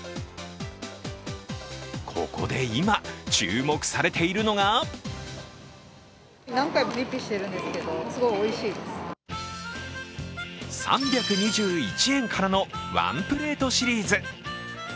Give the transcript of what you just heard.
ここで今、注目されているのが３２１円からのワンプレートシリーズ。